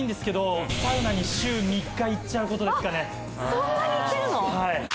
そんなに行ってるの？